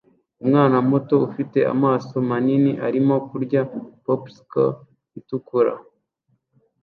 Umwana muto ufite amaso manini arimo kurya Popsicle itukura